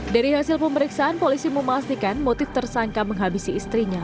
dari hasil pemeriksaan polisi memastikan motif tersangka menghabisi istrinya